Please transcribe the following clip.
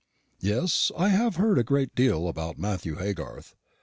Yes, I have heard a great deal about Matthew Haygarth.